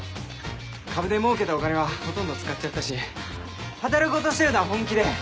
株で儲けたお金はほとんど使っちゃったし働こうとしてるのは本気で。